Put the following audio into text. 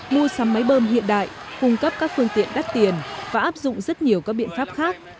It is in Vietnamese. mua sắm máy bơm hiện đại cung cấp các phương tiện đắt tiền và áp dụng rất nhiều các biện pháp khác